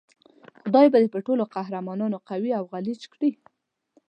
خدای به دې پر ټولو پهلوانانو قوي او غلیچ کړي.